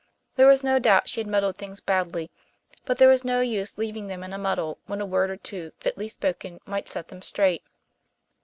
There was no doubt she had muddled things badly, but there was no use leaving them in a muddle when a word or two fitly spoken might set them straight.